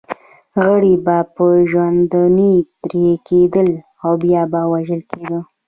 غړي به په ژوندوني پرې کېدل او بیا به وژل کېده.